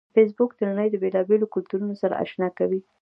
فېسبوک د نړۍ د بیلابیلو کلتورونو سره آشنا کوي